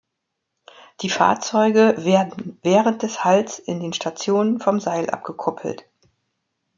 Die Fahrzeuge werden während des Halts in den Stationen vom Seil abgekuppelt.